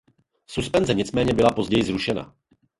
Suspenze nicméně byla později zrušena.